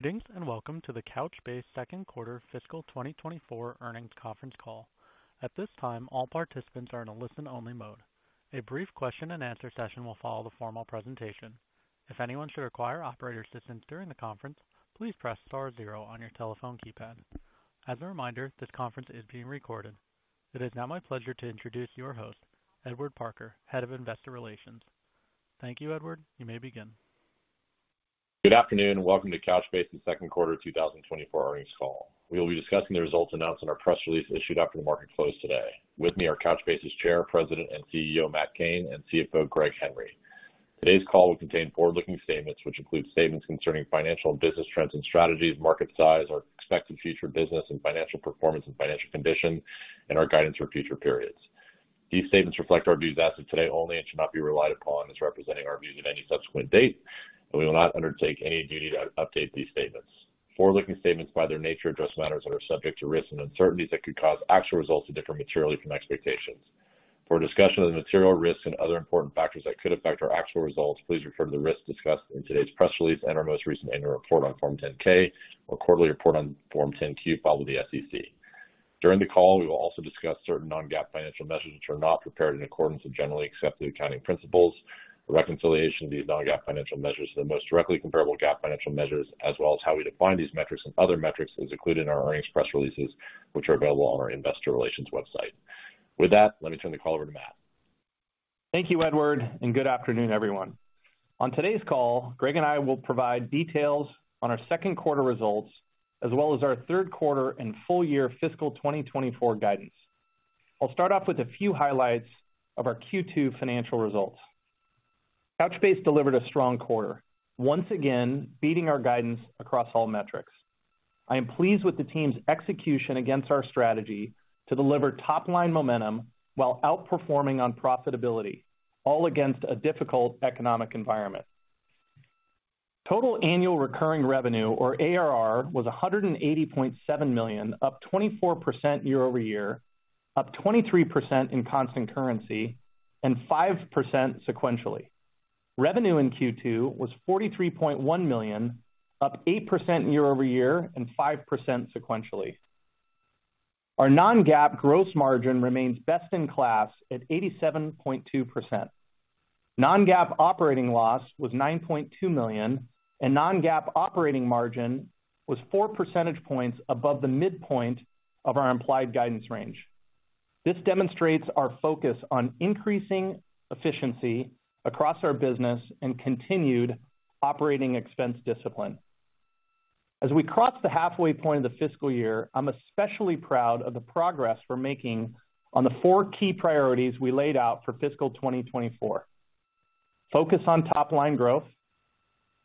Greetings, and welcome to the Couchbase Second Quarter Fiscal 2024 Earnings Conference Call. At this time, all participants are in a listen-only mode. A brief question and answer session will follow the formal presentation. If anyone should require operator assistance during the conference, please press star zero on your telephone keypad. As a reminder, this conference is being recorded. It is now my pleasure to introduce your host, Edward Parker, Head of Investor Relations. Thank you, Edward. You may begin. Good afternoon, and welcome to Couchbase's Second Quarter 2024 Earnings Call. We will be discussing the results announced in our press release issued after the market closed today. With me are Couchbase's Chair, President, and CEO, Matt Cain, and CFO, Greg Henry. Today's call will contain forward-looking statements, which include statements concerning financial and business trends and strategies, market size, our expected future business and financial performance and financial conditions, and our guidance for future periods. These statements reflect our views as of today only and should not be relied upon as representing our views at any subsequent date, and we will not undertake any duty to update these statements. Forward-looking statements, by their nature, address matters that are subject to risks and uncertainties that could cause actual results to differ materially from expectations. For a discussion of the material risks and other important factors that could affect our actual results, please refer to the risks discussed in today's press release and our most recent annual report on Form 10-K or quarterly report on Form 10-Q filed with the SEC. During the call, we will also discuss certain non-GAAP financial measures which are not prepared in accordance with generally accepted accounting principles. The reconciliation of these non-GAAP financial measures to the most directly comparable GAAP financial measures, as well as how we define these metrics and other metrics, is included in our earnings press releases, which are available on our investor relations website. With that, let me turn the call over to Matt. Thank you, Edward, and good afternoon, everyone. On today's call, Greg and I will provide details on our second quarter results, as well as our third quarter and full year fiscal 2024 guidance. I'll start off with a few highlights of our Q2 financial results. Couchbase delivered a strong quarter, once again, beating our guidance across all metrics. I am pleased with the team's execution against our strategy to deliver top-line momentum while outperforming on profitability, all against a difficult economic environment. Total annual recurring revenue, or ARR, was $180.7 million, up 24% year-over-year, up 23% in constant currency, and 5% sequentially. Revenue in Q2 was $43.1 million, up 8% year-over-year and 5% sequentially. Our non-GAAP gross margin remains best-in-class at 87.2%. Non-GAAP operating loss was $9.2 million, and non-GAAP operating margin was four percentage points above the midpoint of our implied guidance range. This demonstrates our focus on increasing efficiency across our business and continued operating expense discipline. As we cross the halfway point of the fiscal year, I'm especially proud of the progress we're making on the four key priorities we laid out for fiscal 2024. Focus on top-line growth,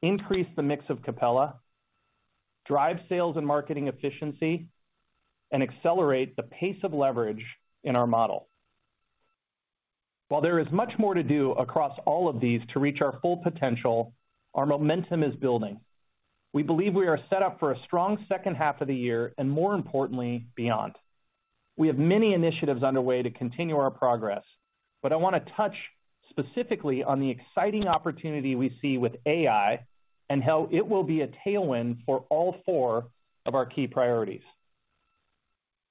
increase the mix of Capella, drive sales and marketing efficiency, and accelerate the pace of leverage in our model. While there is much more to do across all of these to reach our full potential, our momentum is building. We believe we are set up for a strong second half of the year, and more importantly, beyond. We have many initiatives underway to continue our progress, but I want to touch specifically on the exciting opportunity we see with AI and how it will be a tailwind for all four of our key priorities.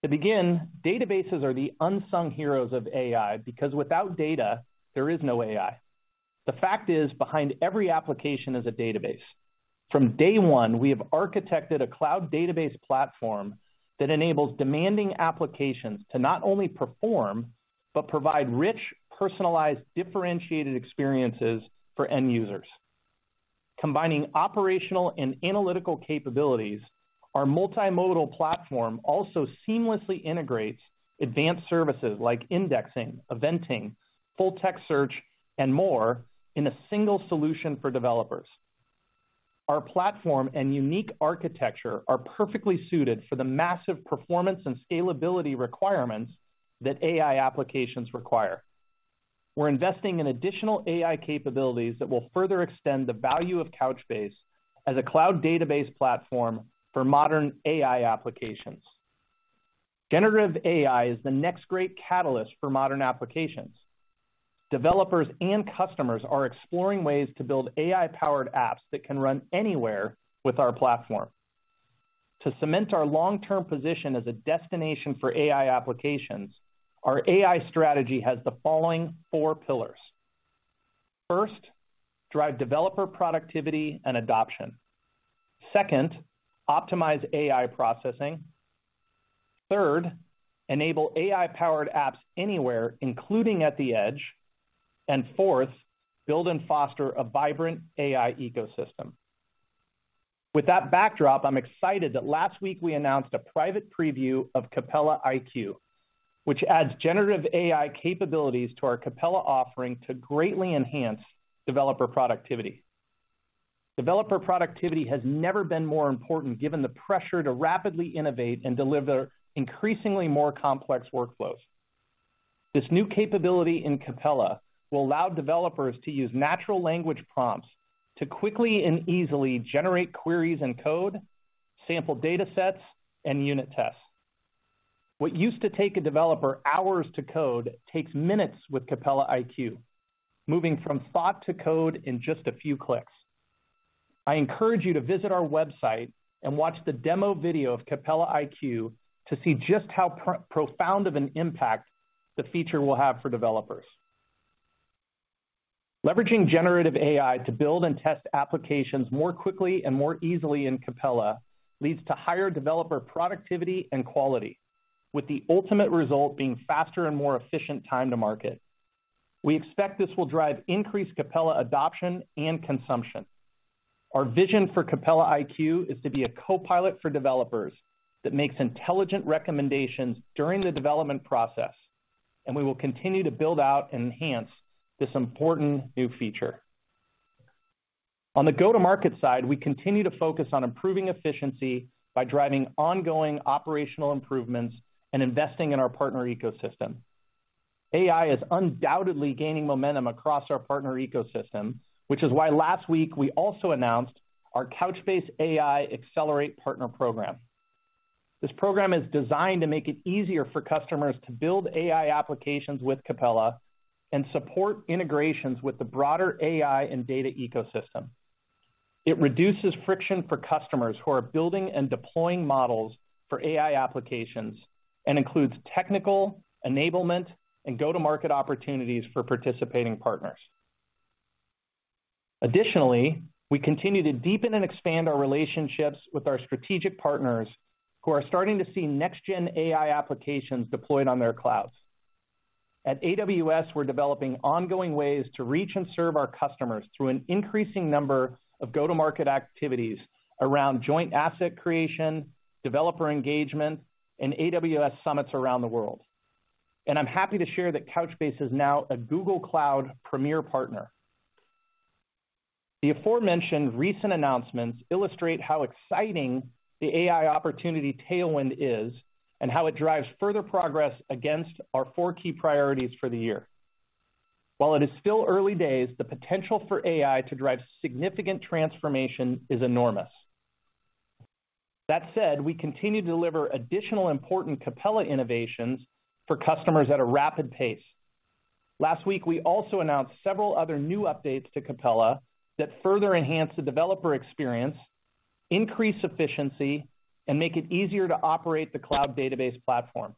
To begin, databases are the unsung heroes of AI, because without data, there is no AI. The fact is, behind every application is a database. From day one, we have architected a cloud database platform that enables demanding applications to not only perform but provide rich, personalized, differentiated experiences for end users. Combining operational and analytical capabilities, our multimodal platform also seamlessly integrates advanced services like indexing, eventing, full-text search, and more in a single solution for developers. Our platform and unique architecture are perfectly suited for the massive performance and scalability requirements that AI applications require. We're investing in additional AI capabilities that will further extend the value of Couchbase as a cloud database platform for modern AI applications. Generative AI is the next great catalyst for modern applications. Developers and customers are exploring ways to build AI-powered apps that can run anywhere with our platform. To cement our long-term position as a destination for AI applications, our AI strategy has the following four pillars. First, drive developer productivity and adoption. Second, optimize AI processing. Third, enable AI-powered apps anywhere, including at the edge. And fourth, build and foster a vibrant AI ecosystem. With that backdrop, I'm excited that last week we announced a private preview of Capella iQ, which adds generative AI capabilities to our Capella offering to greatly enhance developer productivity. Developer productivity has never been more important, given the pressure to rapidly innovate and deliver increasingly more complex workflows. This new capability in Capella will allow developers to use natural language prompts to quickly and easily generate queries and code, sample data sets, and unit tests. What used to take a developer hours to code, takes minutes with Capella iQ, moving from thought to code in just a few clicks. I encourage you to visit our website and watch the demo video of Capella iQ to see just how profound of an impact the feature will have for developers. Leveraging generative AI to build and test applications more quickly and more easily in Capella leads to higher developer productivity and quality, with the ultimate result being faster and more efficient time to market. We expect this will drive increased Capella adoption and consumption. Our vision for Capella iQ is to be a copilot for developers that makes intelligent recommendations during the development process, and we will continue to build out and enhance this important new feature. On the go-to-market side, we continue to focus on improving efficiency by driving ongoing operational improvements and investing in our partner ecosystem. AI is undoubtedly gaining momentum across our partner ecosystem, which is why last week we also announced our Couchbase AI Accelerate Partner Program. This program is designed to make it easier for customers to build AI applications with Capella and support integrations with the broader AI and data ecosystem. It reduces friction for customers who are building and deploying models for AI applications and includes technical, enablement, and go-to-market opportunities for participating partners. Additionally, we continue to deepen and expand our relationships with our strategic partners, who are starting to see next-gen AI applications deployed on their clouds. At AWS, we're developing ongoing ways to reach and serve our customers through an increasing number of go-to-market activities around joint asset creation, developer engagement, and AWS Summits around the world. I'm happy to share that Couchbase is now a Google Cloud Premier Partner. The aforementioned recent announcements illustrate how exciting the AI opportunity tailwind is, and how it drives further progress against our four key priorities for the year. While it is still early days, the potential for AI to drive significant transformation is enormous. That said, we continue to deliver additional important Capella innovations for customers at a rapid pace. Last week, we also announced several other new updates to Capella that further enhance the developer experience, increase efficiency, and make it easier to operate the cloud database platform.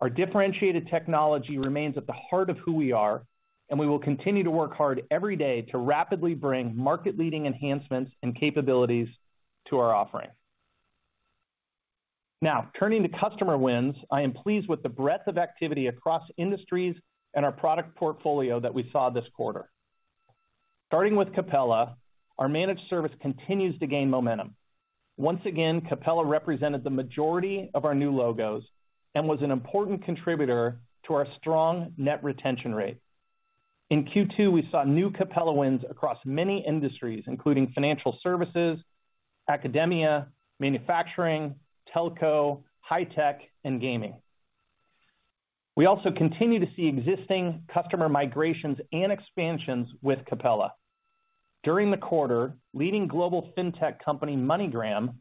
Our differentiated technology remains at the heart of who we are, and we will continue to work hard every day to rapidly bring market-leading enhancements and capabilities to our offering. Now, turning to customer wins, I am pleased with the breadth of activity across industries and our product portfolio that we saw this quarter. Starting with Capella, our managed service continues to gain momentum. Once again, Capella represented the majority of our new logos and was an important contributor to our strong net retention rate. In Q2, we saw new Capella wins across many industries, including financial services, academia, manufacturing, telco, high tech, and gaming. We also continue to see existing customer migrations and expansions with Capella. During the quarter, leading global fintech company, MoneyGram,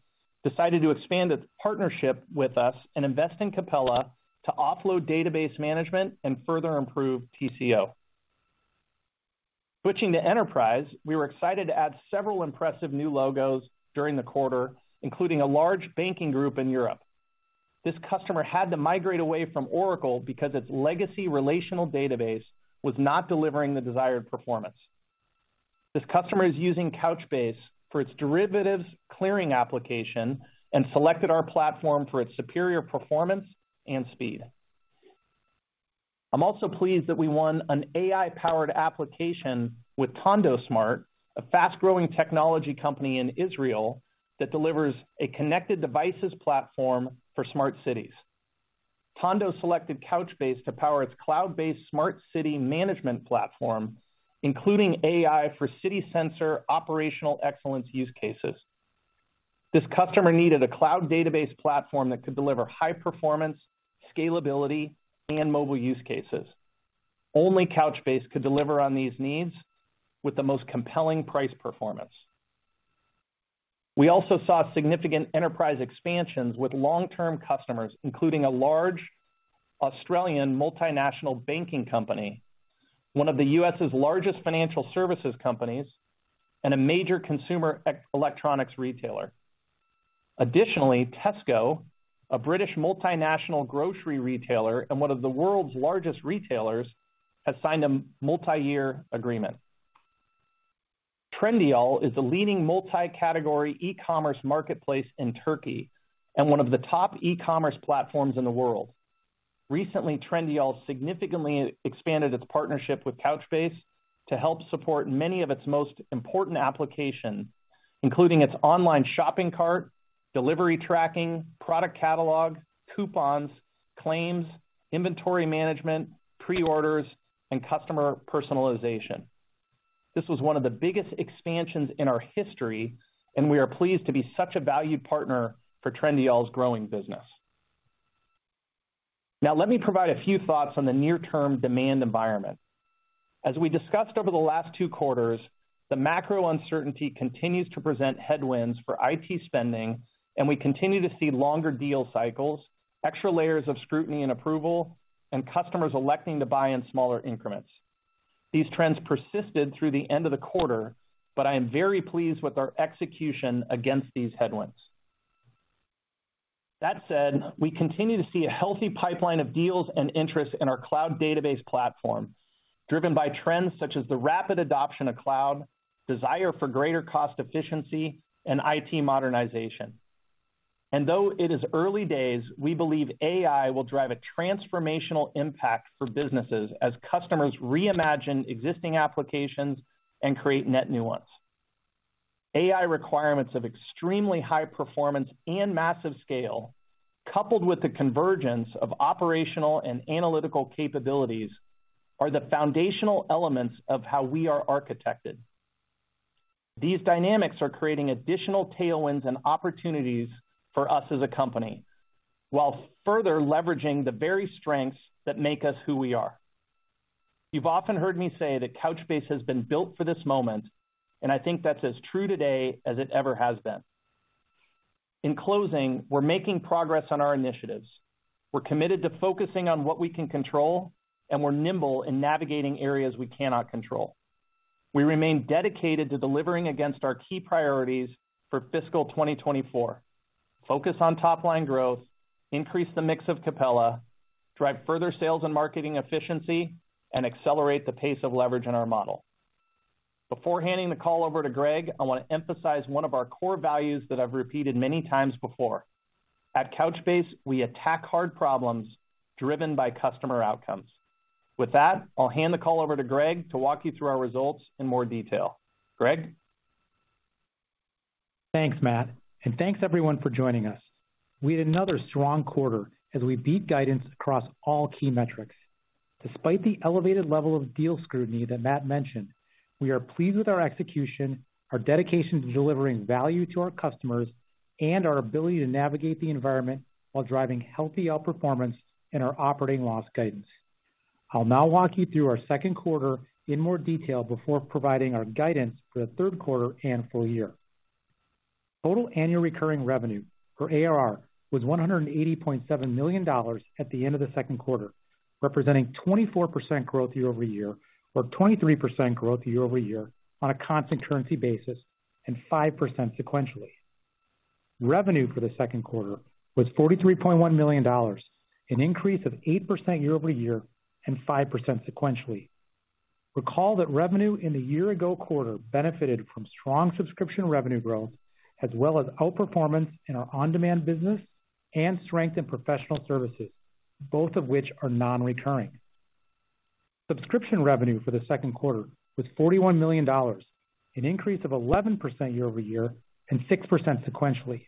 decided to expand its partnership with us and invest in Capella to offload database management and further improve TCO. Switching to enterprise, we were excited to add several impressive new logos during the quarter, including a large banking group in Europe. This customer had to migrate away from Oracle because its legacy relational database was not delivering the desired performance. This customer is using Couchbase for its derivatives clearing application and selected our platform for its superior performance and speed. I'm also pleased that we won an AI-powered application with Tondo Smart, a fast-growing technology company in Israel that delivers a connected devices platform for smart cities. Tondo selected Couchbase to power its cloud-based smart city management platform, including AI for city sensor operational excellence use cases. This customer needed a cloud database platform that could deliver high performance, scalability, and mobile use cases. Only Couchbase could deliver on these needs with the most compelling price performance. We also saw significant enterprise expansions with long-term customers, including a large Australian multinational banking company, one of the U.S.'s largest financial services companies, and a major consumer electronics retailer. Additionally, Tesco, a British multinational grocery retailer and one of the world's largest retailers, has signed a multi-year agreement. Trendyol is the leading multi-category e-commerce marketplace in Turkey and one of the top e-commerce platforms in the world. Recently, Trendyol significantly expanded its partnership with Couchbase to help support many of its most important applications, including its online shopping cart, delivery tracking, product catalog, coupons, claims, inventory management, pre-orders, and customer personalization. This was one of the biggest expansions in our history, and we are pleased to be such a valued partner for Trendyol's growing business. Now let me provide a few thoughts on the near term demand environment. As we discussed over the last two quarters, the macro uncertainty continues to present headwinds for IT spending, and we continue to see longer deal cycles, extra layers of scrutiny and approval, and customers electing to buy in smaller increments. These trends persisted through the end of the quarter, but I am very pleased with our execution against these headwinds. That said, we continue to see a healthy pipeline of deals and interest in our cloud database platform, driven by trends such as the rapid adoption of cloud, desire for greater cost efficiency, and IT modernization. Though it is early days, we believe AI will drive a transformational impact for businesses as customers reimagine existing applications and create net new ones. AI requirements of extremely high performance and massive scale, coupled with the convergence of operational and analytical capabilities, are the foundational elements of how we are architected. These dynamics are creating additional tailwinds and opportunities for us as a company, while further leveraging the very strengths that make us who we are. You've often heard me say that Couchbase has been built for this moment, and I think that's as true today as it ever has been. In closing, we're making progress on our initiatives. We're committed to focusing on what we can control, and we're nimble in navigating areas we cannot control. We remain dedicated to delivering against our key priorities for fiscal 2024, focus on top line growth, increase the mix of Capella, drive further sales and marketing efficiency, and accelerate the pace of leverage in our model. Before handing the call over to Greg, I want to emphasize one of our core values that I've repeated many times before. At Couchbase, we attack hard problems driven by customer outcomes. With that, I'll hand the call over to Greg to walk you through our results in more detail. Greg? Thanks, Matt, and thanks everyone for joining us. We had another strong quarter as we beat guidance across all key metrics. Despite the elevated level of deal scrutiny that Matt mentioned, we are pleased with our execution, our dedication to delivering value to our customers, and our ability to navigate the environment while driving healthy outperformance in our operating loss guidance. I'll now walk you through our second quarter in more detail before providing our guidance for the third quarter and full year. Total annual recurring revenue, or ARR, was $180.7 million at the end of the second quarter, representing 24% growth year-over-year, or 23% growth year-over-year on a constant currency basis, and 5% sequentially. Revenue for the second quarter was $43.1 million, an increase of 8% year-over-year and 5% sequentially. Recall that revenue in the year ago quarter benefited from strong subscription revenue growth, as well as outperformance in our on-demand business and strength in professional services, both of which are non-recurring. Subscription revenue for the second quarter was $41 million, an increase of 11% year-over-year and 6% sequentially.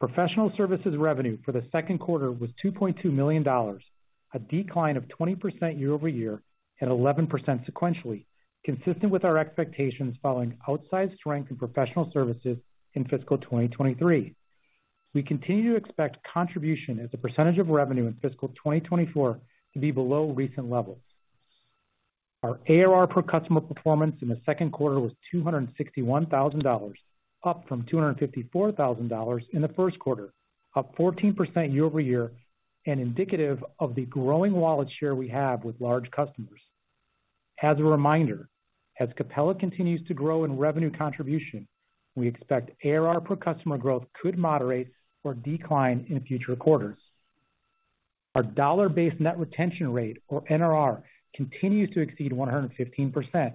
Professional services revenue for the second quarter was $2.2 million, a decline of 20% year-over-year and 11% sequentially, consistent with our expectations following outsized strength in professional services in fiscal 2023. We continue to expect contribution as a percentage of revenue in fiscal 2024 to be below recent levels. Our ARR per customer performance in the second quarter was $261,000, up from $254,000 in the first quarter, up 14% year-over-year and indicative of the growing wallet share we have with large customers. As a reminder, as Capella continues to grow in revenue contribution, we expect ARR per customer growth could moderate or decline in future quarters. Our dollar-based net retention rate, or NRR, continues to exceed 115%,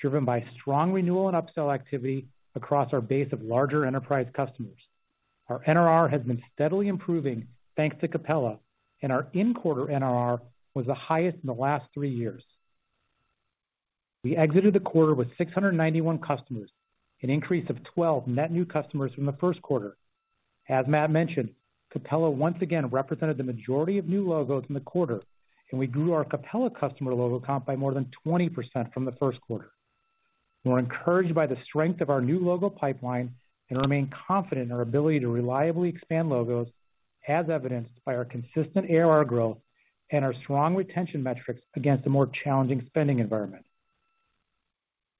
driven by strong renewal and upsell activity across our base of larger enterprise customers. Our NRR has been steadily improving thanks to Capella, and our in-quarter NRR was the highest in the last three years. We exited the quarter with 691 customers, an increase of 12 net new customers from the first quarter. As Matt mentioned, Capella once again represented the majority of new logos in the quarter, and we grew our Capella customer logo count by more than 20% from the first quarter. We're encouraged by the strength of our new logo pipeline and remain confident in our ability to reliably expand logos, as evidenced by our consistent ARR growth and our strong retention metrics against a more challenging spending environment.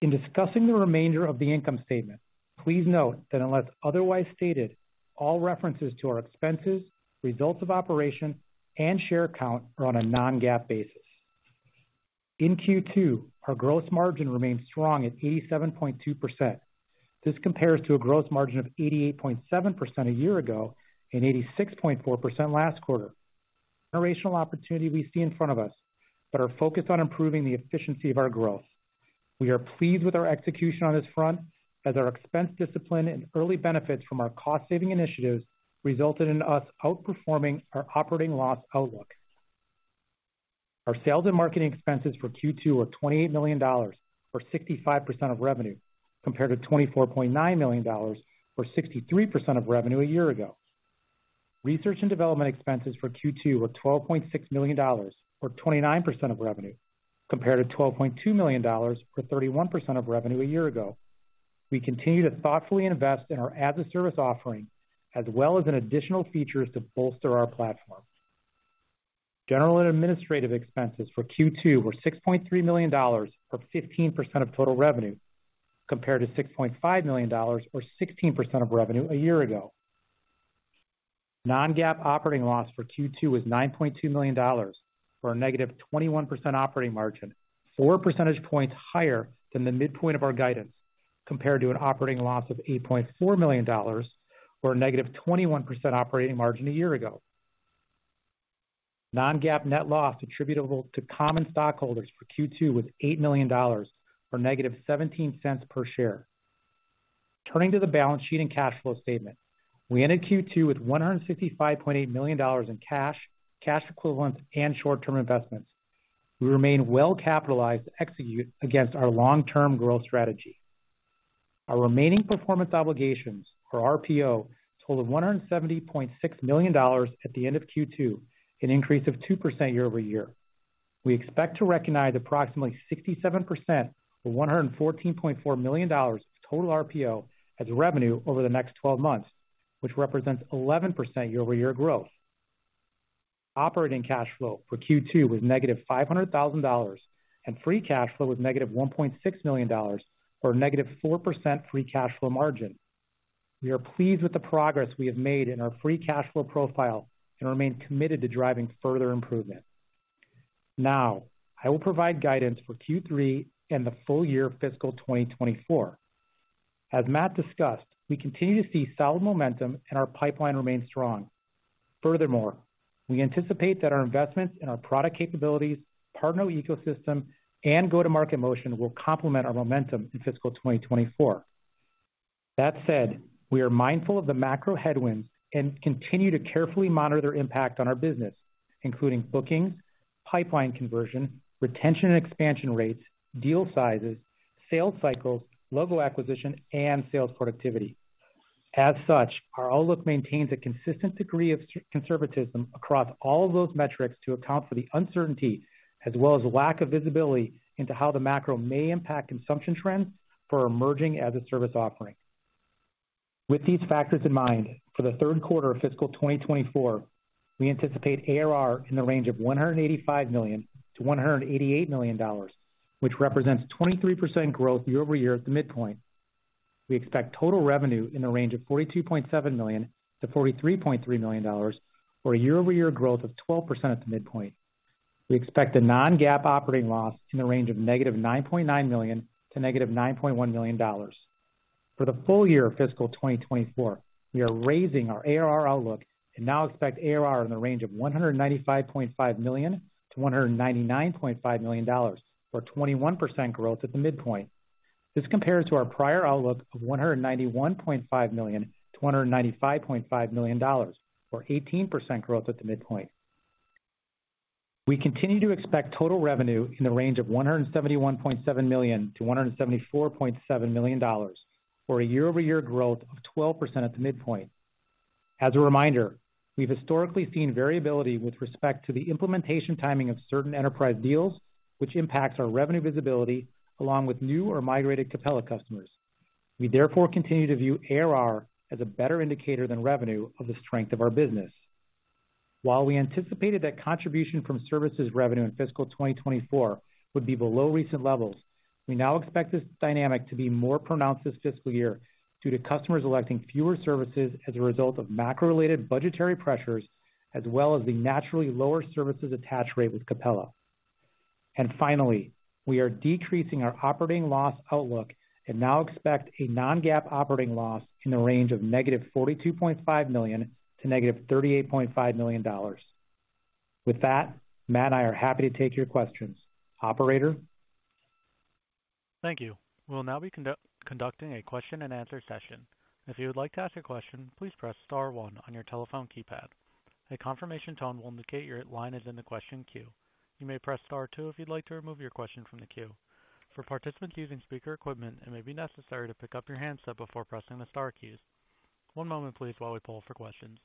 In discussing the remainder of the income statement, please note that unless otherwise stated, all references to our expenses, results of operations, and share count are on a non-GAAP basis. In Q2, our gross margin remained strong at 87.2%. This compares to a gross margin of 88.7% a year ago and 86.4% last quarter. Generational opportunity we see in front of us, but are focused on improving the efficiency of our growth. We are pleased with our execution on this front, as our expense discipline and early benefits from our cost-saving initiatives resulted in us outperforming our operating loss outlook. Our sales and marketing expenses for Q2 were $28 million, or 65% of revenue, compared to $24.9 million, or 63% of revenue a year ago. We continue to thoughtfully invest in our as-a-service offering, as well as in additional features to bolster our platform. General and administrative expenses for Q2 were $6.3 million, or 15% of total revenue, compared to $6.5 million, or 16% of revenue a year ago. Non-GAAP operating loss for Q2 was $9.2 million, for a -21% operating margin, four percentage points higher than the midpoint of our guidance, compared to an operating loss of $8.4 million, or a -21% operating margin a year ago. Non-GAAP net loss attributable to common stockholders for Q2 was $8 million, or -17 cents per share. Turning to the balance sheet and cash flow statement. We ended Q2 with $155.8 million in cash, cash equivalents, and short-term investments. We remain well-capitalized to execute against our long-term growth strategy. Our remaining performance obligations, or RPO, totaled $170.6 million at the end of Q2, an increase of 2% year-over-year. We expect to recognize approximately 67%, or $114.4 million of total RPO as revenue over the next twelve months, which represents 11% year-over-year growth. Operating cash flow for Q2 was -$500,000, and free cash flow was -$1.6 million, or -4% free cash flow margin. We are pleased with the progress we have made in our free cash flow profile and remain committed to driving further improvement. Now, I will provide guidance for Q3 and the full year fiscal 2024. As Matt discussed, we continue to see solid momentum, and our pipeline remains strong. Furthermore, we anticipate that our investments in our product capabilities, partner ecosystem, and go-to-market motion will complement our momentum in fiscal 2024. That said, we are mindful of the macro headwinds and continue to carefully monitor their impact on our business, including bookings, pipeline conversion, retention and expansion rates, deal sizes, sales cycles, logo acquisition, and sales productivity. As such, our outlook maintains a consistent degree of true conservatism across all of those metrics to account for the uncertainty, as well as lack of visibility into how the macro may impact consumption trends for our emerging as-a-service offering. With these factors in mind, for the third quarter of fiscal 2024, we anticipate ARR in the range of $185 million-$188 million, which represents 23% growth year-over-year at the midpoint. We expect total revenue in the range of $42.7 million-$43.3 million, or a year-over-year growth of 12% at the midpoint. We expect a non-GAAP operating loss in the range of -$9.9 million-$9.1 million. For the full year of fiscal 2024, we are raising our ARR outlook and now expect ARR in the range of $195.5 million-$199.5 million, or 21% growth at the midpoint. This compares to our prior outlook of $191.5 million-$195.5 million, or 18% growth at the midpoint. We continue to expect total revenue in the range of $171.7 million-$174.7 million, for a year-over-year growth of 12% at the midpoint. As a reminder, we've historically seen variability with respect to the implementation timing of certain enterprise deals, which impacts our revenue visibility along with new or migrated Capella customers. We therefore continue to view ARR as a better indicator than revenue of the strength of our business. While we anticipated that contribution from services revenue in fiscal 2024 would be below recent levels, we now expect this dynamic to be more pronounced this fiscal year due to customers electing fewer services as a result of macro-related budgetary pressures, as well as the naturally lower services attach rate with Capella. Finally, we are decreasing our operating loss outlook and now expect a non-GAAP operating loss in the range of -$42.5 million-$38.5 million. With that, Matt and I are happy to take your questions. Operator? Thank you. We'll now be conducting a question-and-answer session. If you would like to ask a question, please press star one on your telephone keypad. A confirmation tone will indicate your line is in the question queue. You may press star two if you'd like to remove your question from the queue. For participants using speaker equipment, it may be necessary to pick up your handset before pressing the star keys. One moment, please, while we poll for questions.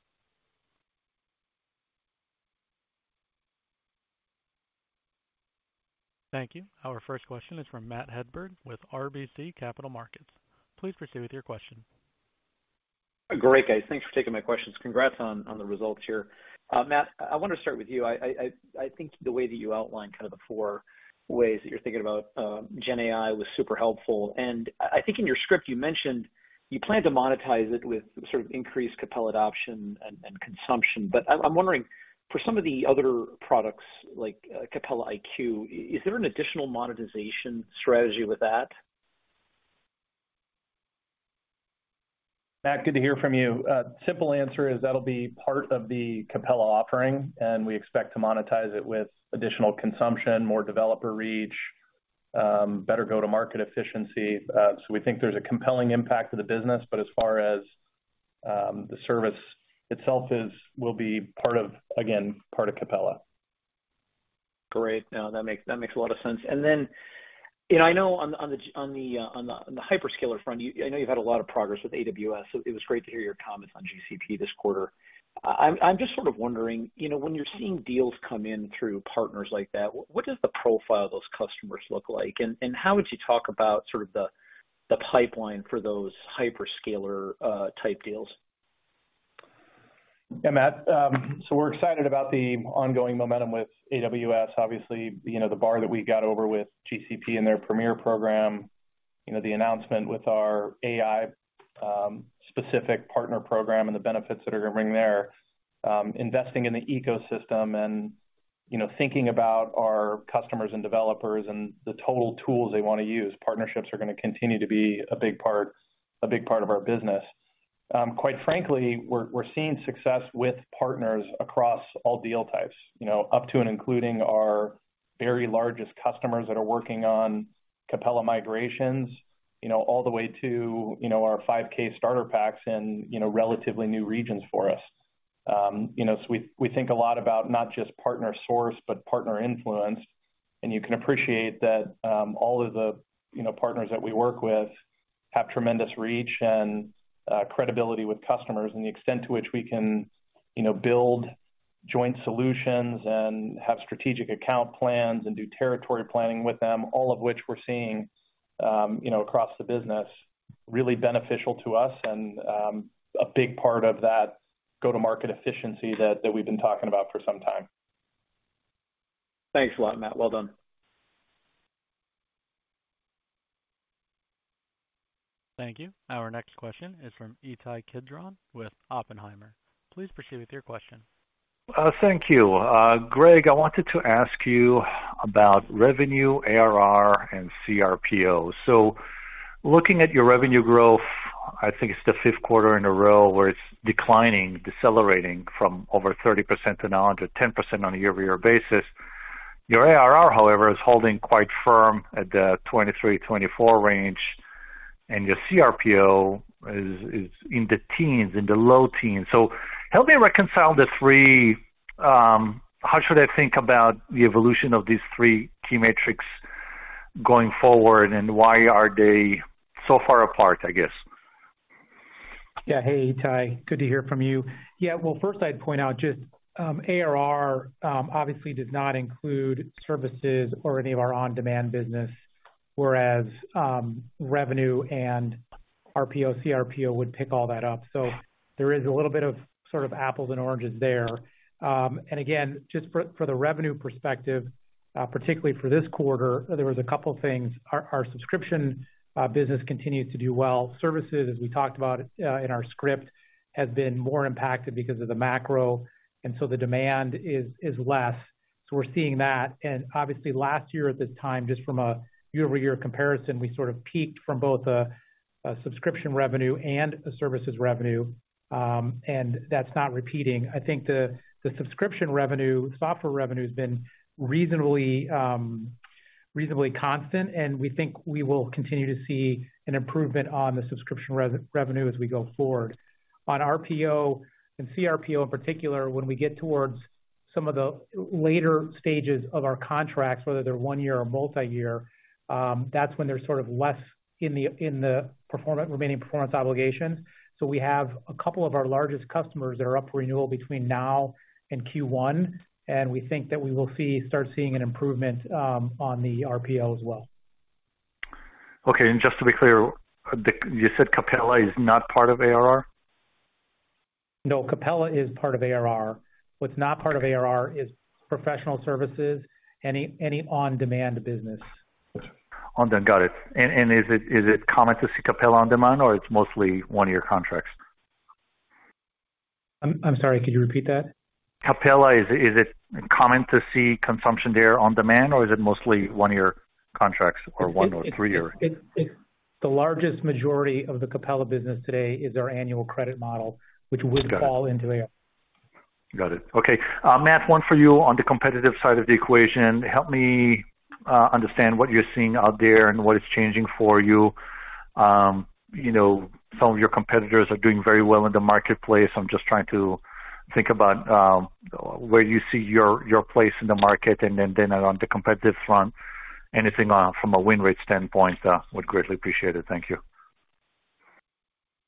Thank you. Our first question is from Matt Hedberg with RBC Capital Markets. Please proceed with your question. Great, guys. Thanks for taking my questions. Congrats on the results here. Matt, I want to start with you. I think the way that you outlined kind of the four ways that you're thinking about GenAI was super helpful, and I think in your script you mentioned you plan to monetize it with sort of increased Capella adoption and consumption. But I'm wondering, for some of the other products, like Capella iQ, is there an additional monetization strategy with that? Matt, good to hear from you. Simple answer is that'll be part of the Capella offering, and we expect to monetize it with additional consumption, more developer reach, better go-to-market efficiency. So we think there's a compelling impact to the business, but as far as the service itself is, will be part of, again, part of Capella. Great. No, that makes, that makes a lot of sense. And then, you know, I know on the hyperscaler front, you know, I know you've had a lot of progress with AWS, so it was great to hear your comments on GCP this quarter. I'm just sort of wondering, you know, when you're seeing deals come in through partners like that, what, what does the profile of those customers look like? And how would you talk about sort of the pipeline for those hyperscaler type deals? Yeah, Matt, so we're excited about the ongoing momentum with AWS. Obviously, you know, the bar that we got over with GCP and their premier program, you know, the announcement with our AI, specific partner program and the benefits that are gonna bring there. Investing in the ecosystem and, you know, thinking about our customers and developers and the total tools they wanna use, partnerships are gonna continue to be a big part, a big part of our business. Quite frankly, we're seeing success with partners across all deal types, you know, up to and including our very largest customers that are working on Capella migrations, you know, all the way to, you know, our 5K starter packs in, you know, relatively new regions for us. You know, so we think a lot about not just partner source, but partner influence. You can appreciate that all of the, you know, partners that we work with have tremendous reach and credibility with customers, and the extent to which we can, you know, build joint solutions and have strategic account plans and do territory planning with them, all of which we're seeing, you know, across the business, really beneficial to us and a big part of that go-to-market efficiency that we've been talking about for some time. Thanks a lot, Matt. Well done. Thank you. Our next question is from Ittai Kidron with Oppenheimer. Please proceed with your question. Thank you. Greg, I wanted to ask you about revenue, ARR and cRPO. So looking at your revenue growth, I think it's the fifth quarter in a row where it's declining, decelerating from over 30% to now under 10% on a year-over-year basis. Your ARR, however, is holding quite firm at the 23-24 range, and your cRPO is in the teens, in the low teens. So help me reconcile the three. How should I think about the evolution of these three key metrics going forward, and why are they so far apart, I guess? Yeah. Hey, Ittai, good to hear from you. Yeah, well, first, I'd point out just ARR obviously does not include services or any of our on-demand business, whereas revenue and RPO, cRPO would pick all that up. So there is a little bit of sort of apples and oranges there. And again, just for the revenue perspective, particularly for this quarter, there was a couple things. Our subscription business continued to do well. Services, as we talked about in our script, has been more impacted because of the macro, and so the demand is less. So we're seeing that. And obviously, last year at this time, just from a year-over-year comparison, we sort of peaked from both a subscription revenue and a services revenue, and that's not repeating. I think the subscription revenue, software revenue has been reasonably, reasonably constant, and we think we will continue to see an improvement on the subscription revenue as we go forward. On RPO and cRPO in particular, when we get towards some of the later stages of our contracts, whether they're one year or multi-year, that's when there's sort of less in the remaining performance obligations. So we have a couple of our largest customers that are up for renewal between now and Q1, and we think that we will start seeing an improvement on the RPO as well. Okay, and just to be clear, you said Capella is not part of ARR? No, Capella is part of ARR. What's not part of ARR is professional services, any on-demand business. On-demand. Got it. And is it common to see Capella on-demand, or it's mostly one-year contracts? I'm sorry, could you repeat that? Capella, is it, is it common to see consumption there on-demand, or is it mostly one-year contracts or one or three-year? It's the largest majority of the Capella business today is our annual credit model- Got it. -which would fall into ARR. Got it. Okay. Matt, one for you on the competitive side of the equation. Help me understand what you're seeing out there and what is changing for you. You know, some of your competitors are doing very well in the marketplace. I'm just trying to think about where you see your place in the market, and then on the competitive front, anything from a win rate standpoint would greatly appreciate it. Thank you.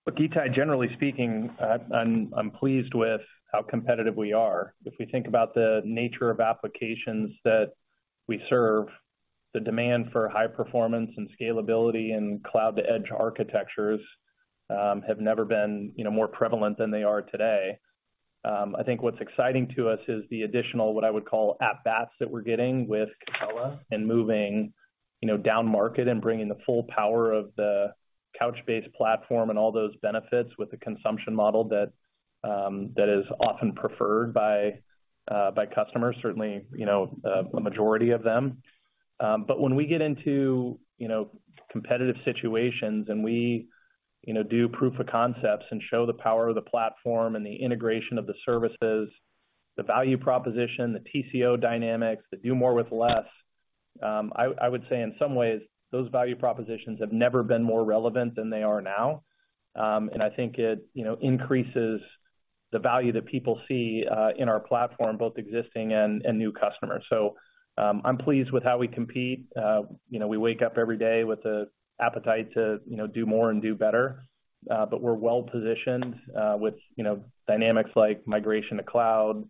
Look, Ittai, generally speaking, I'm pleased with how competitive we are. If we think about the nature of applications that we serve, the demand for high performance and scalability and cloud-to-edge architectures have never been, you know, more prevalent than they are today. I think what's exciting to us is the additional, what I would call, at-bats that we're getting with Capella and moving, you know, down market and bringing the full power of the Couchbase platform and all those benefits with the consumption model that is often preferred by, by customers, certainly, you know, a majority of them. But when we get into, you know, competitive situations and we, you know, do proof of concepts and show the power of the platform and the integration of the services, the value proposition, the TCO dynamics, the do more with less, I, I would say in some ways those value propositions have never been more relevant than they are now. And I think it, you know, increases the value that people see in our platform, both existing and, and new customers. So, I'm pleased with how we compete. You know, we wake up every day with the appetite to, you know, do more and do better, but we're well positioned with, you know, dynamics like migration to cloud,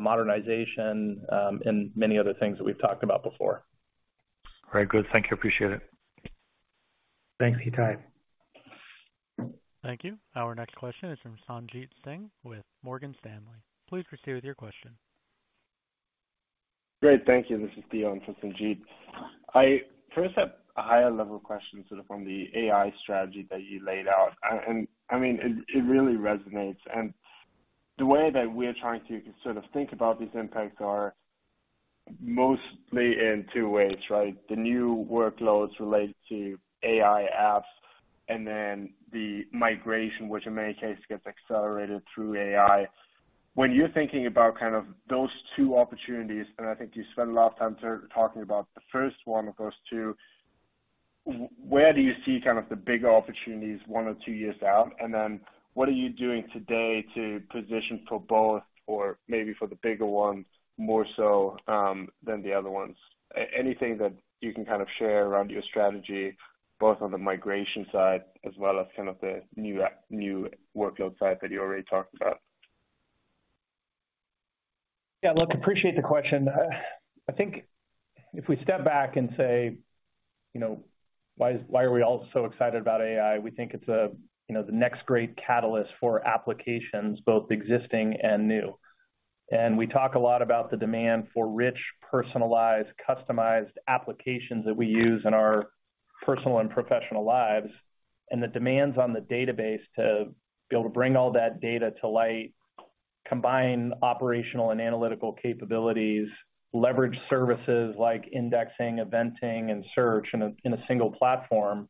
modernization, and many other things that we've talked about before. Very good. Thank you. Appreciate it. Thanks, Ittai. Thank you. Our next question is from Sanjit Singh with Morgan Stanley. Please proceed with your question. Great, thank you. This is Theo in for Sanjit. I first have a higher level question, sort of on the AI strategy that you laid out. And I mean, it really resonates, and the way that we're trying to sort of think about these impacts are mostly in two ways, right? The new workloads related to AI apps, and then the migration, which in many cases gets accelerated through AI. When you're thinking about kind of those two opportunities, and I think you spent a lot of time talking about the first one of those two, where do you see kind of the bigger opportunities one or two years out? And then what are you doing today to position for both or maybe for the bigger ones more so than the other ones? Anything that you can kind of share around your strategy, both on the migration side as well as kind of the new workload side that you already talked about? Yeah, look, appreciate the question. I think if we step back and say, you know, why are we all so excited about AI? We think it's, you know, the next great catalyst for applications, both existing and new. And we talk a lot about the demand for rich, personalized, customized applications that we use in our personal and professional lives, and the demands on the database to be able to bring all that data to light, combine operational and analytical capabilities, leverage services like indexing, eventing, and search in a single platform,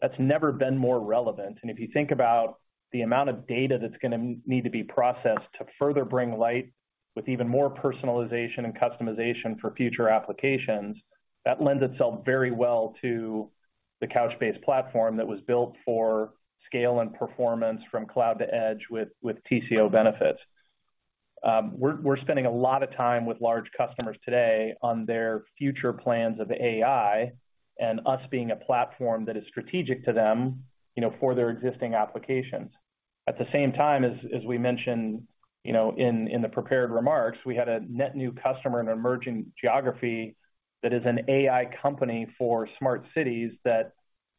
that's never been more relevant. If you think about the amount of data that's gonna need to be processed to further bring light with even more personalization and customization for future applications, that lends itself very well to the Couchbase platform that was built for scale and performance from cloud to edge, with TCO benefits. We're spending a lot of time with large customers today on their future plans of AI, and us being a platform that is strategic to them, you know, for their existing applications. At the same time, as we mentioned, you know, in the prepared remarks, we had a net new customer in an emerging geography that is an AI company for smart cities, that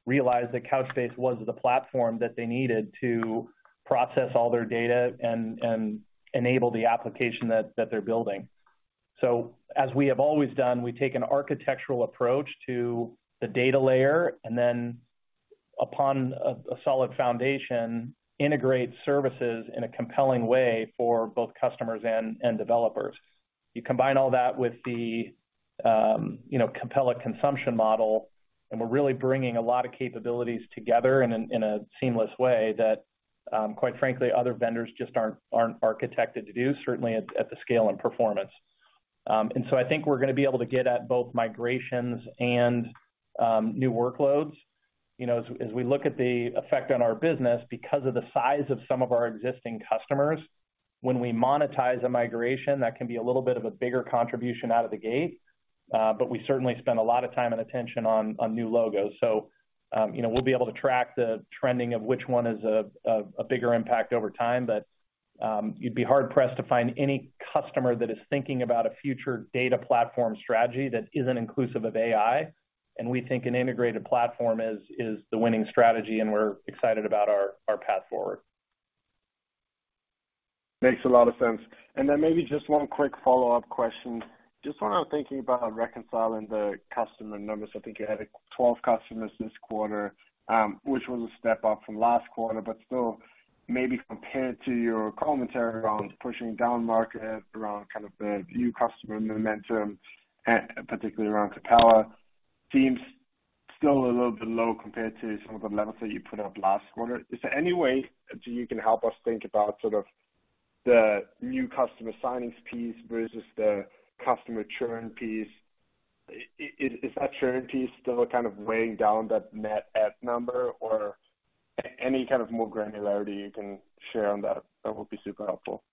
realized that Couchbase was the platform that they needed to process all their data and enable the application that they're building. So as we have always done, we take an architectural approach to the data layer, and then upon a solid foundation, integrate services in a compelling way for both customers and developers. You combine all that with the, you know, Capella consumption model, and we're really bringing a lot of capabilities together in a seamless way that, quite frankly, other vendors just aren't architected to do, certainly at the scale and performance. And so I think we're going to be able to get at both migrations and new workloads. You know, as we look at the effect on our business, because of the size of some of our existing customers, when we monetize a migration, that can be a little bit of a bigger contribution out of the gate. But we certainly spend a lot of time and attention on new logos. So, you know, we'll be able to track the trending of which one is a bigger impact over time. But you'd be hard-pressed to find any customer that is thinking about a future data platform strategy that isn't inclusive of AI. And we think an integrated platform is the winning strategy, and we're excited about our path forward. Makes a lot of sense. Then maybe just one quick follow-up question. Just when I'm thinking about reconciling the customer numbers, I think you had 12 customers this quarter, which was a step up from last quarter, but still maybe compared to your commentary around pushing down market, around kind of the new customer momentum, particularly around Capella, seems still a little bit low compared to some of the levels that you put up last quarter. Is there any way that you can help us think about sort of the new customer signings piece versus the customer churn piece? Is that churn piece still kind of weighing down that net add number, or any kind of more granularity you can share on that, that would be super helpful.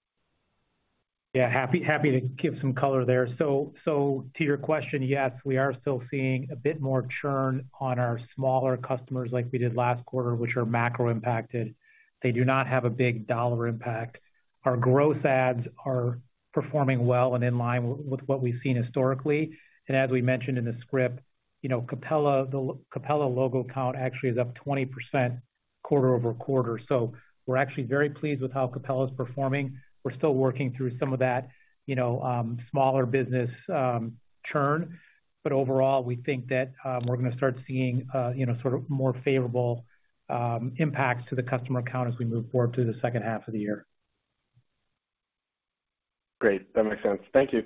Yeah, happy, happy to give some color there. So, so to your question, yes, we are still seeing a bit more churn on our smaller customers like we did last quarter, which are macro impacted. They do not have a big dollar impact. Our growth ads are performing well and in line with what we've seen historically. And as we mentioned in the script, you know, Capella, the Capella logo count actually is up 20% quarter-over-quarter. So we're actually very pleased with how Capella is performing. We're still working through some of that, you know, smaller business, churn, but overall, we think that, we're going to start seeing, you know, sort of more favorable, impacts to the customer count as we move forward through the second half of the year. Great, that makes sense. Thank you.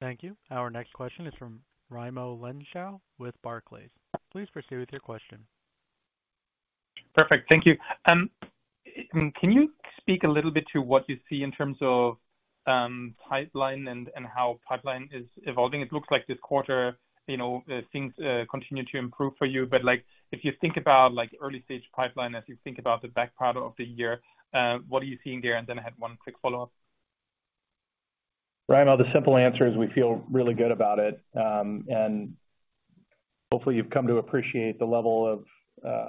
Thank you. Our next question is from Raimo Lenschow with Barclays. Please proceed with your question. Perfect. Thank you. Can you speak a little bit to what you see in terms of pipeline and how pipeline is evolving? It looks like this quarter, you know, things continue to improve for you. But, like, if you think about, like, early-stage pipeline, as you think about the back part of the year, what are you seeing there? And then I have one quick follow-up. Raimo, the simple answer is we feel really good about it. Hopefully, you've come to appreciate the level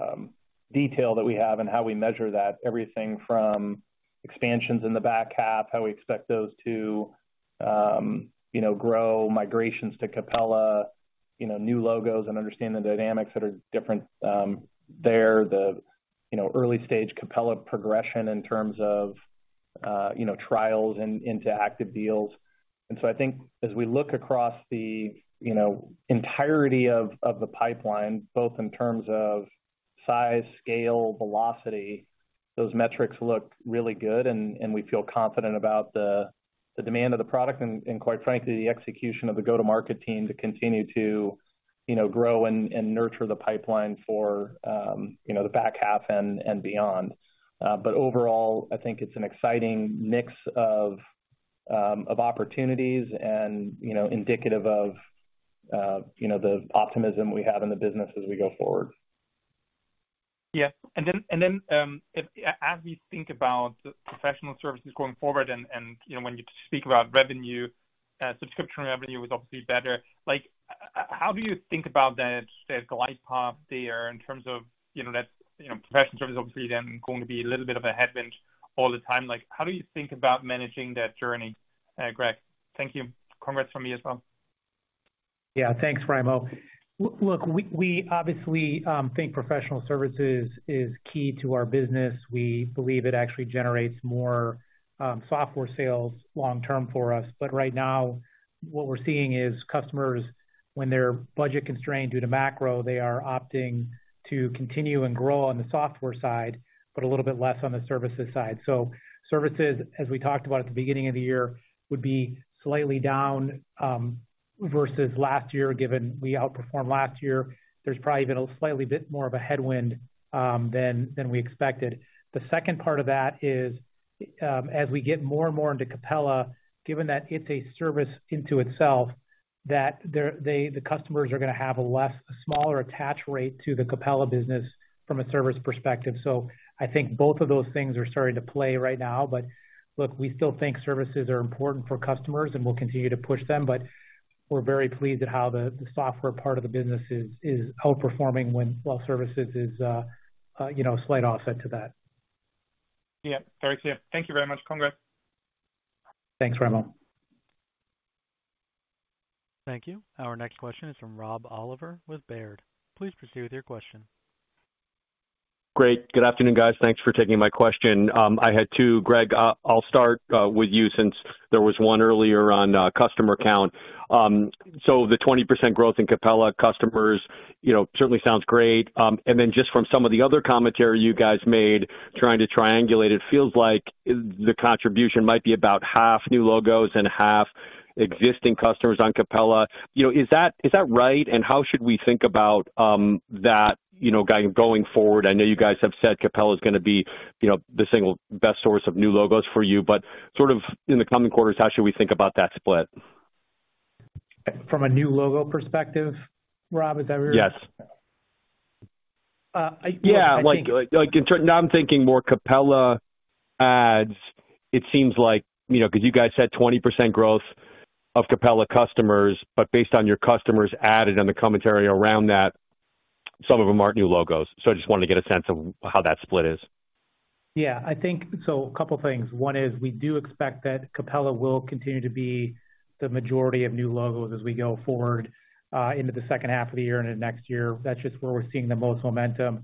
of detail that we have and how we measure that. Everything from expansions in the back half, how we expect those to, you know, grow, migrations to Capella, you know, new logos, and understand the dynamics that are different there. You know, the early stage Capella progression in terms of, you know, trials and into active deals. And so I think as we look across the, you know, entirety of the pipeline, both in terms of size, scale, velocity, those metrics look really good, and we feel confident about the demand of the product and quite frankly, the execution of the go-to-market team to continue to, you know, grow and nurture the pipeline for, you know, the back half and beyond. But overall, I think it's an exciting mix of opportunities and, you know, indicative of, you know, the optimism we have in the business as we go forward. Yeah. And then, if—as we think about professional services going forward and, you know, when you speak about revenue, subscription revenue is obviously better, like, how do you think about that, the glide path there, in terms of, you know, that, you know, professional services obviously then going to be a little bit of a headwind all the time. Like, how do you think about managing that journey, Greg? Thank you. Congrats from me as well. Yeah, thanks, Raimo. Look, we obviously think professional services is key to our business. We believe it actually generates more software sales long term for us. But right now, what we're seeing is customers, when they're budget-constrained due to macro, they are opting to continue and grow on the software side, but a little bit less on the services side. So services, as we talked about at the beginning of the year, would be slightly down versus last year, given we outperformed last year. There's probably been a slightly bit more of a headwind than we expected. The second part of that is, as we get more and more into Capella, given that it's a service into itself, that they, the customers are going to have a less smaller attach rate to the Capella business from a service perspective. So I think both of those things are starting to play right now. But look, we still think services are important for customers, and we'll continue to push them, but we're very pleased at how the software part of the business is outperforming while services is, you know, slight offset to that. Yeah, very clear. Thank you very much. Congrats. Thanks, Raimo. Thank you. Our next question is from Rob Oliver with Baird. Please proceed with your question. Great. Good afternoon, guys. Thanks for taking my question. I had two. Greg, I'll start with you since there was one earlier on customer count. So the 20% growth in Capella customers, you know, certainly sounds great. And then just from some of the other commentary you guys made, trying to triangulate, it feels like the contribution might be about half new logos and half existing customers on Capella. You know, is that right? And how should we think about that, you know, going forward? I know you guys have said Capella is gonna be, you know, the single best source of new logos for you, but sort of in the coming quarters, how should we think about that split? From a new logo perspective, Rob, is that where- Yes. Uh, I- Yeah, now I'm thinking more Capella adds. It seems like, you know, 'cause you guys said 20% growth of Capella customers, but based on your customers added on the commentary around that, some of them aren't new logos. So I just wanted to get a sense of how that split is. Yeah, I think so. A couple things. One is we do expect that Capella will continue to be the majority of new logos as we go forward into the second half of the year and into next year. That's just where we're seeing the most momentum.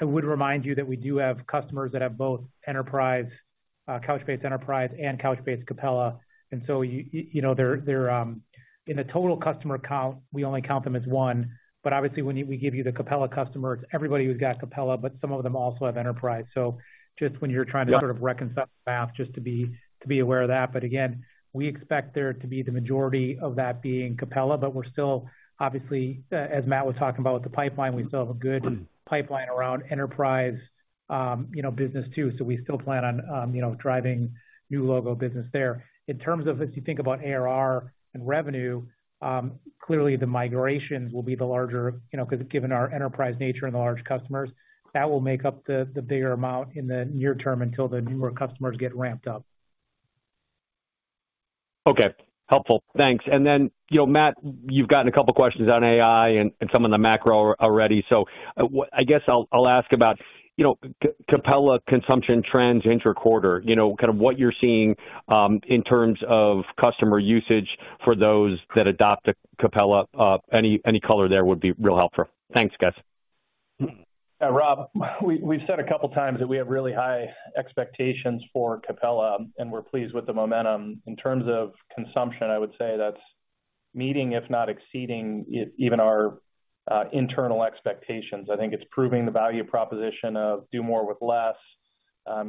I would remind you that we do have customers that have both Enterprise, Couchbase Enterprise, and Couchbase Capella. And so you know, they're in a total customer count, we only count them as one, but obviously, when we give you the Capella customers, everybody who's got Capella, but some of them also have Enterprise. So just when you're trying to- Yeah Sort of reconcile the math, just to be aware of that. But again, we expect there to be the majority of that being Capella. But we're still, obviously, as Matt was talking about with the pipeline, we still have a good pipeline around enterprise, you know, business, too. So we still plan on, you know, driving new logo business there. In terms of if you think about ARR and revenue, clearly the migrations will be the larger, you know, 'cause given our enterprise nature and the large customers, that will make up the bigger amount in the near term until the newer customers get ramped up. Okay, helpful. Thanks. And then, you know, Matt, you've gotten a couple questions on AI and some on the macro already. So I guess I'll ask about, you know, Capella consumption trends interquarter, you know, kind of what you're seeing in terms of customer usage for those that adopt the Capella. Any color there would be real helpful. Thanks, guys. Rob, we've said a couple times that we have really high expectations for Capella, and we're pleased with the momentum. In terms of consumption, I would say that's meeting, if not exceeding even our internal expectations. I think it's proving the value proposition of do more with less,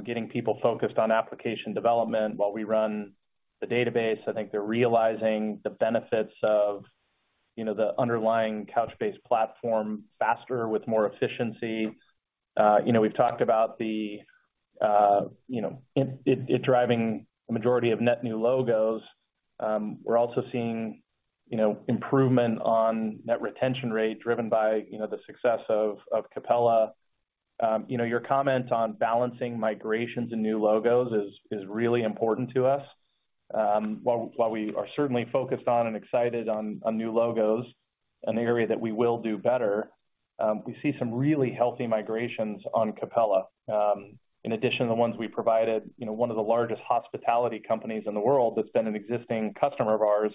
getting people focused on application development while we run the database. I think they're realizing the benefits of, you know, the underlying Couchbase platform faster with more efficiency. You know, we've talked about the, you know, it driving the majority of net new logos. We're also seeing, you know, improvement on net retention rate driven by, you know, the success of Capella. You know, your comment on balancing migrations and new logos is really important to us. While we are certainly focused on and excited on new logos, an area that we will do better, we see some really healthy migrations on Capella. In addition to the ones we provided, you know, one of the largest hospitality companies in the world that's been an existing customer of ours,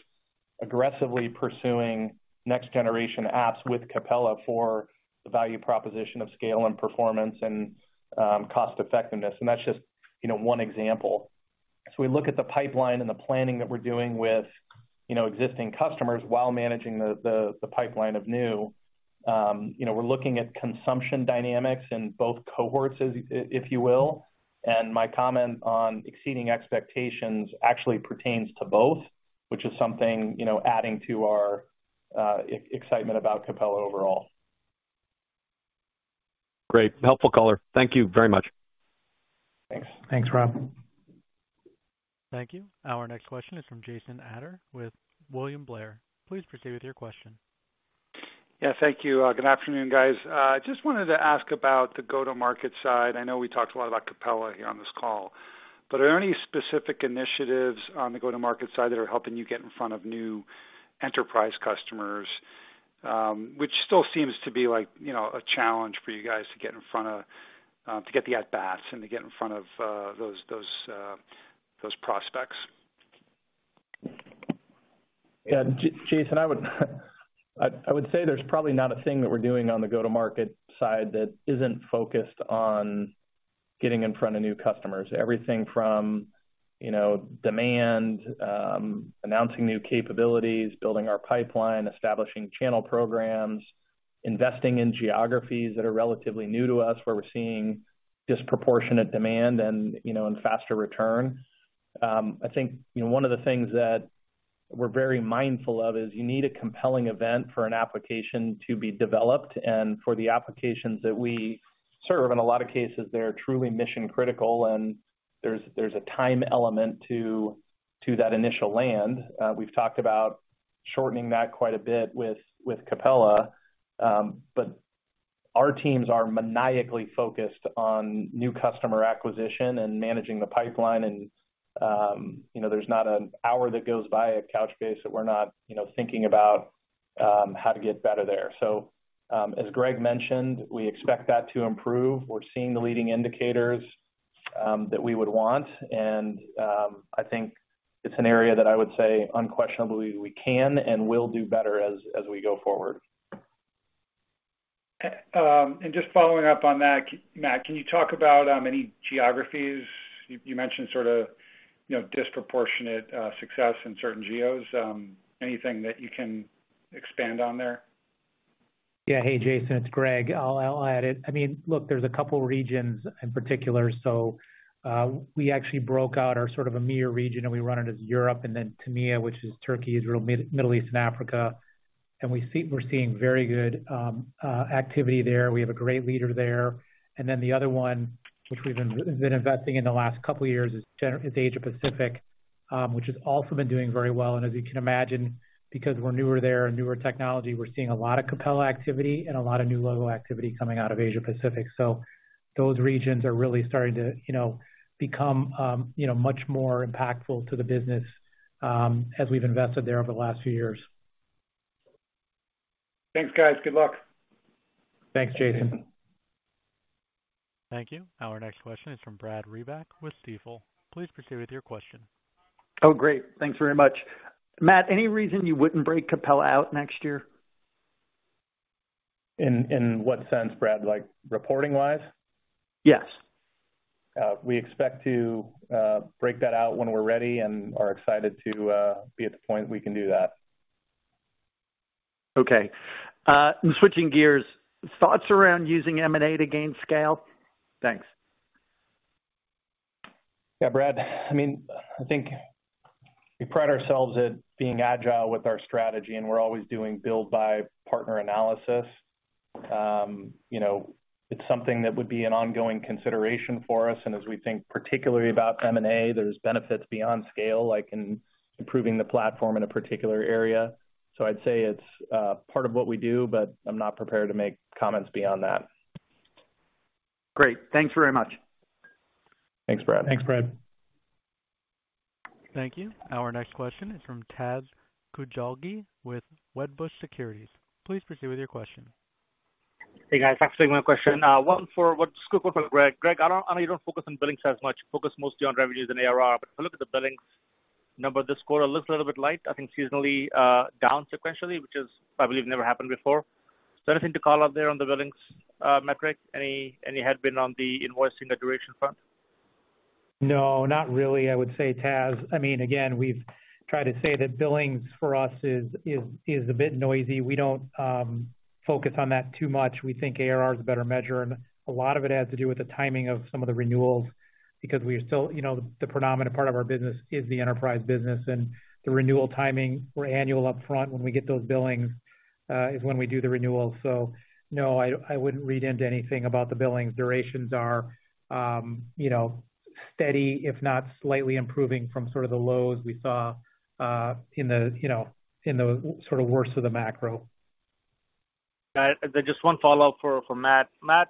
aggressively pursuing next generation apps with Capella for the value proposition of scale and performance and cost effectiveness. And that's just, you know, one example. As we look at the pipeline and the planning that we're doing with, you know, existing customers while managing the pipeline of new, you know, we're looking at consumption dynamics in both cohorts, as if you will, and my comment on exceeding expectations actually pertains to both, which is something, you know, adding to our excitement about Capella overall. Great, helpful caller. Thank you very much. Thanks. Thanks, Rob. Thank you. Our next question is from Jason Ader with William Blair. Please proceed with your question. Yeah, thank you. Good afternoon, guys. I just wanted to ask about the go-to-market side. I know we talked a lot about Capella here on this call, but are there any specific initiatives on the go-to-market side that are helping you get in front of new enterprise customers? Which still seems to be like, you know, a challenge for you guys to get in front of, to get the at bats and to get in front of those prospects. Yeah, Jason, I would say there's probably not a thing that we're doing on the go-to-market side that isn't focused on getting in front of new customers. Everything from, you know, demand, announcing new capabilities, building our pipeline, establishing channel programs, investing in geographies that are relatively new to us, where we're seeing disproportionate demand and, you know, and faster return. I think, you know, one of the things that we're very mindful of is, you need a compelling event for an application to be developed. And for the applications that we serve, in a lot of cases, they're truly mission-critical, and there's a time element to that initial land. We've talked about shortening that quite a bit with Capella. But our teams are maniacally focused on new customer acquisition and managing the pipeline. You know, there's not an hour that goes by at Couchbase that we're not, you know, thinking about how to get better there. So, as Greg mentioned, we expect that to improve. We're seeing the leading indicators that we would want, and I think it's an area that I would say unquestionably we can and will do better as we go forward. Just following up on that, Matt, can you talk about any geographies? You, you mentioned sort of, you know, disproportionate success in certain geos. Anything that you can expand on there? Yeah. Hey, Jason, it's Greg. I'll add it. I mean, look, there's a couple regions in particular. So, we actually broke out our sort of EMEA region, and we run it as Europe and then TIMEA, which is Turkey, Israel, Middle East and Africa. And we're seeing very good activity there. We have a great leader there. And then the other one, which we've been investing in the last couple of years is Asia Pacific, which has also been doing very well. And as you can imagine, because we're newer there and newer technology, we're seeing a lot of Capella activity and a lot of new logo activity coming out of Asia Pacific. Those regions are really starting to, you know, become, you know, much more impactful to the business, as we've invested there over the last few years. Thanks, guys. Good luck. Thanks, Jason. Thank you. Our next question is from Brad Reback with Stifel. Please proceed with your question. Oh, great. Thanks very much. Matt, any reason you wouldn't break Capella out next year? In what sense, Brad? Like, reporting wise? Yes. We expect to break that out when we're ready and are excited to be at the point we can do that. Okay. Switching gears, thoughts around using M&A to gain scale? Thanks. Yeah, Brad. I mean, I think we pride ourselves in being agile with our strategy, and we're always doing build, buy, partner analysis. You know, it's something that would be an ongoing consideration for us, and as we think particularly about M&A, there's benefits beyond scale, like in improving the platform in a particular area. So I'd say it's part of what we do, but I'm not prepared to make comments beyond that. Great. Thanks very much. Thanks, Brad. Thanks, Brad. Thank you. Our next question is from Taz Koujalgi with Wedbush Securities. Please proceed with your question. Hey, guys. Thanks for taking my question. One for Greg. Greg, I know you don't focus on billings as much, focus mostly on revenues and ARR, but if you look at the billings number, this quarter looks a little bit light, I think seasonally, down sequentially, which is, I believe, never happened before. So anything to call out there on the billings metric? Any headwind on the invoicing duration front? No, not really. I would say, Taz, I mean, again, we've tried to say that billings for us is a bit noisy. We don't focus on that too much. We think ARR is a better measure, and a lot of it has to do with the timing of some of the renewals, because we are still, you know, the predominant part of our business is the enterprise business, and the renewal timing, we're annual upfront. When we get those billings is when we do the renewal. So no, I wouldn't read into anything about the billings. Durations are, you know, steady, if not slightly improving from sort of the lows we saw in the sort of worst of the macro. And then just one follow-up for Matt. Matt,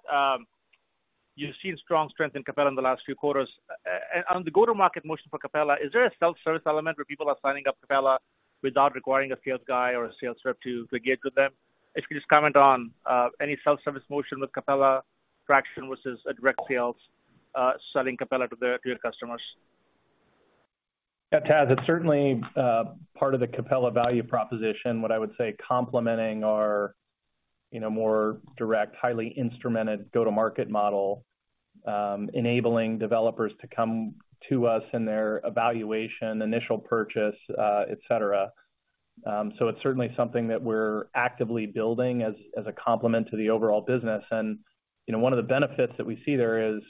you've seen strong strength in Capella in the last few quarters. And on the go-to-market motion for Capella, is there a self-service element where people are signing up Capella without requiring a sales guy or a sales rep to engage with them? If you just comment on any self-service motion with Capella traction versus a direct sales selling Capella to your customers. Yeah, Taz, it's certainly part of the Capella value proposition, what I would say, complementing our, you know, more direct, highly instrumented go-to-market model, enabling developers to come to us in their evaluation, initial purchase, et cetera. So it's certainly something that we're actively building as a complement to the overall business. And, you know, one of the benefits that we see there is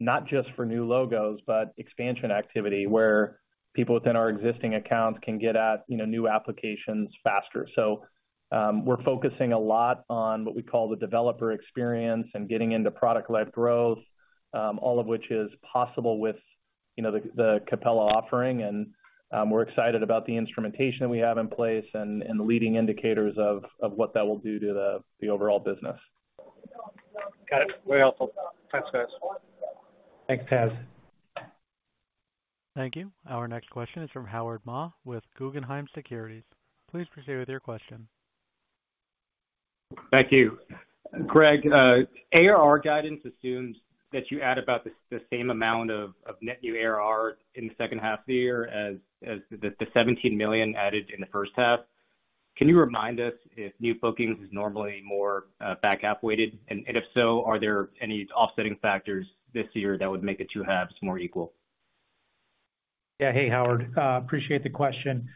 not just for new logos, but expansion activity, where people within our existing accounts can get at, you know, new applications faster. So, we're focusing a lot on what we call the developer experience and getting into product-led growth, all of which is possible with, you know, the Capella offering. And, we're excited about the instrumentation we have in place and the leading indicators of what that will do to the overall business. Got it. Very helpful. Thanks, guys. Thanks, Taz. Thank you. Our next question is from Howard Ma with Guggenheim Securities. Please proceed with your question. Thank you. Greg, ARR guidance assumes that you add about the same amount of net new ARR in the second half of the year as the $17 million added in the first half. Can you remind us if new bookings is normally more back half weighted? And if so, are there any offsetting factors this year that would make the two halves more equal? Yeah. Hey, Howard, appreciate the question.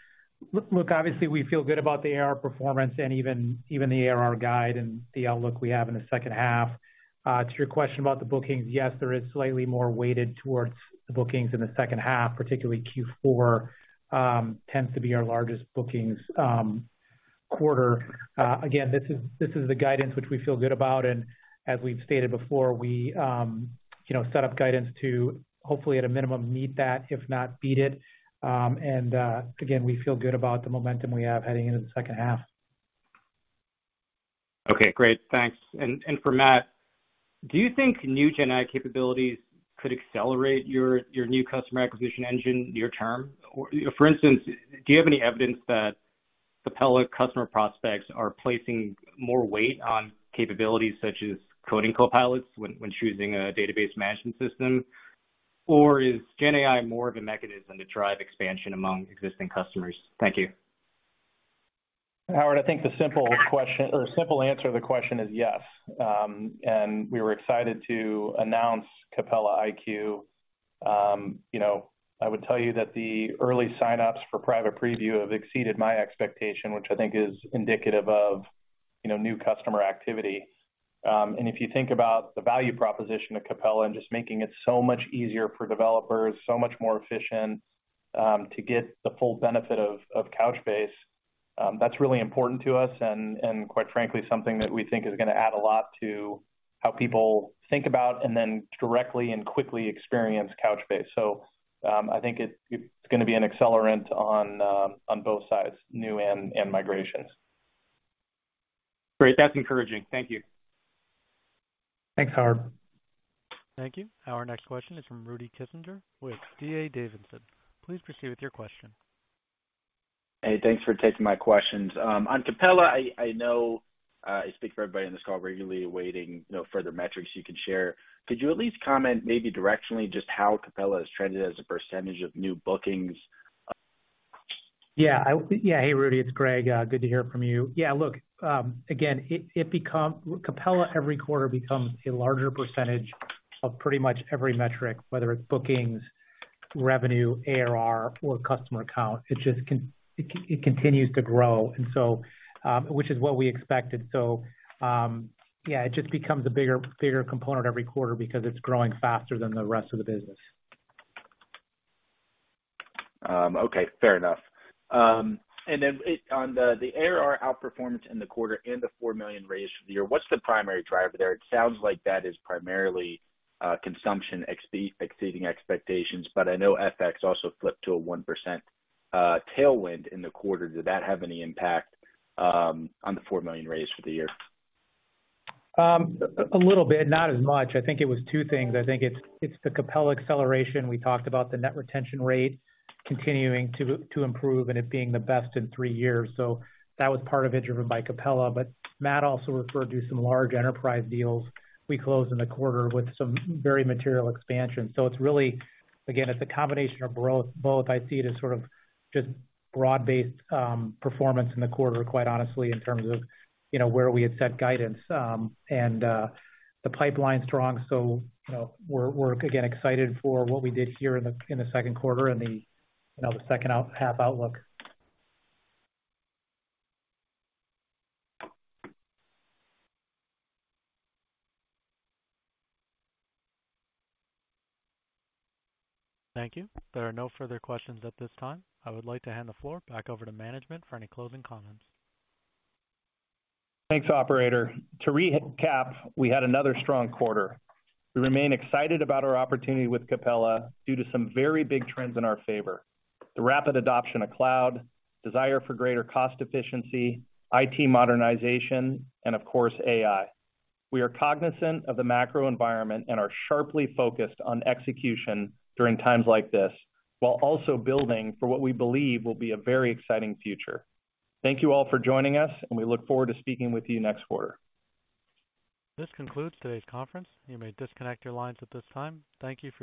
Look, obviously, we feel good about the ARR performance and even, even the ARR guide and the outlook we have in the second half. To your question about the bookings, yes, there is slightly more weighted towards the bookings in the second half, particularly Q4, tends to be our largest bookings quarter. Again, this is, this is the guidance which we feel good about, and as we've stated before, we, you know, set up guidance to hopefully, at a minimum, meet that, if not beat it. And, again, we feel good about the momentum we have heading into the second half. Okay, great. Thanks. And for Matt, do you think new GenAI capabilities could accelerate your new customer acquisition engine near term? Or, you know, for instance, do you have any evidence that Capella customer prospects are placing more weight on capabilities such as coding copilots when choosing a database management system? Or is GenAI more of a mechanism to drive expansion among existing customers? Thank you. Howard, I think the simple question or simple answer to the question is yes. We were excited to announce Capella iQ. You know, I would tell you that the early sign-ups for private preview have exceeded my expectation, which I think is indicative of, you know, new customer activity. If you think about the value proposition of Capella and just making it so much easier for developers, so much more efficient, to get the full benefit of Couchbase, that's really important to us and, quite frankly, something that we think is gonna add a lot to how people think about and then directly and quickly experience Couchbase. I think it's gonna be an accelerant on both sides, new and migrations. Great. That's encouraging. Thank you. Thanks, Howard. Thank you. Our next question is from Rudy Kessinger with D.A. Davidson. Please proceed with your question. Hey, thanks for taking my questions. On Capella, I know I speak for everybody on this call regularly awaiting, you know, further metrics you can share. Could you at least comment, maybe directionally, just how Capella has trended as a percentage of new bookings? Yeah. Yeah. Hey, Rudy, it's Greg. Good to hear from you. Yeah, look, again, Capella, every quarter, becomes a larger percentage of pretty much every metric, whether it's bookings, revenue, ARR, or customer account. It just continues to grow, and so, which is what we expected. So, yeah, it just becomes a bigger, bigger component every quarter because it's growing faster than the rest of the business. Okay, fair enough. And then on the ARR outperformance in the quarter and the $4 million raise for the year, what's the primary driver there? It sounds like that is primarily consumption exceeding expectations, but I know FX also flipped to a 1% tailwind in the quarter. Did that have any impact on the $4 million raise for the year? A little bit, not as much. I think it was two things. I think it's the Capella acceleration. We talked about the net retention rate continuing to improve and it being the best in three years. So that was part of it, driven by Capella. But Matt also referred to some large enterprise deals we closed in the quarter with some very material expansion. So it's really, again, it's a combination of both, both. I see it as sort of just broad-based performance in the quarter, quite honestly, in terms of, you know, where we had set guidance. The pipeline's strong, so, you know, we're again excited for what we did here in the second quarter and the second half outlook. Thank you. There are no further questions at this time. I would like to hand the floor back over to management for any closing comments. Thanks, operator. To recap, we had another strong quarter. We remain excited about our opportunity with Capella due to some very big trends in our favor: the rapid adoption of cloud, desire for greater cost efficiency, IT modernization, and of course, AI. We are cognizant of the macro environment and are sharply focused on execution during times like this, while also building for what we believe will be a very exciting future. Thank you all for joining us, and we look forward to speaking with you next quarter. This concludes today's conference. You may disconnect your lines at this time. Thank you for your participation.